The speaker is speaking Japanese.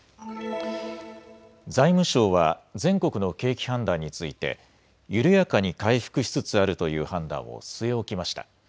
財務省は全国の景気判断について緩やかに回復しつつあるという判断を据え置きました。